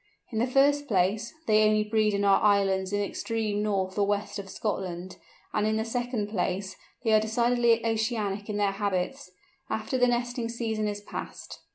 In the first place, they only breed in our islands in the extreme north or west of Scotland, and in the second place they are decidedly oceanic in their habits, after the nesting season is passed.